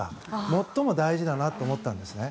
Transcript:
最も大事だなと思ったんですね。